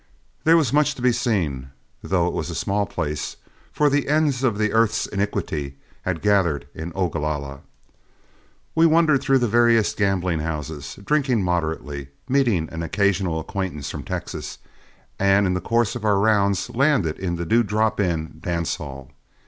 There was much to be seen, though it was a small place, for the ends of the earth's iniquity had gathered in Ogalalla. We wandered through the various gambling houses, drinking moderately, meeting an occasional acquaintance from Texas, and in the course of our rounds landed in the Dew Drop In dance hall.